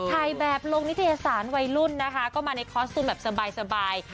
ถ่ายแบบลงนิตยสารวัยรุ่นนะคะก็มาในคอสตูมแบบสบาย